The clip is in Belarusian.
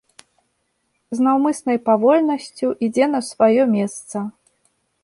З наўмыснай павольнасцю ідзе на сваё месца.